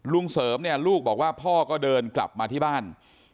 ลุงเสริมลูกบอกว่าพ่อก็เดินกลับมาที่บ้าน